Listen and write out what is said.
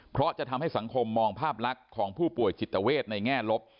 เพราะจะทำให้สังคมมองภาพลักษณ์ของผู้ป่วยจิตเวทในแง่ลบ